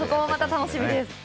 楽しみです。